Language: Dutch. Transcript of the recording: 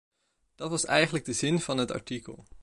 Dat was eigenlijk de zin van het artikel.